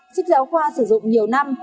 sách giáo khoa sử dụng nhiều năm